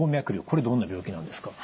これどんな病気なんですか？